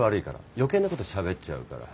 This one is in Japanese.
余計なことしゃべっちゃうから。